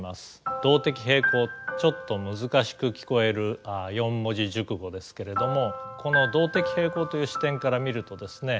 動的平衡ちょっと難しく聞こえる四文字熟語ですけれどもこの動的平衡という視点から見るとですね